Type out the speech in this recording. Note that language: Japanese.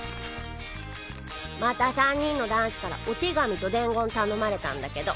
また３人の男子からお手紙と伝言頼まれたんだけど。